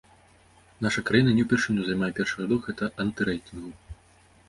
Наша краіна не ўпершыню займае першы радок гэтага антырэйтынгу.